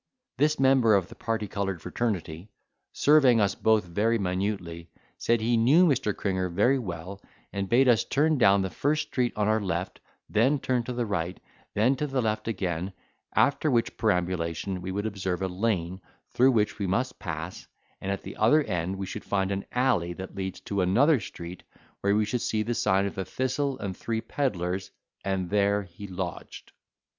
This member of the particoloured fraternity, surveying us both very minutely, said he knew Mr. Cringer very well, and bade us turn down the first street on our left, then turn to the right, and then to the left again, after which perambulation we would observe a lane, through which we must pass, and at the other end we should find an alley that leads to another street, where we should see the sign of the Thistle and Three Pedlars, and there he lodged.